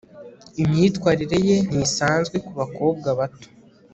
imyitwarire ye ntisanzwe kubakobwa bato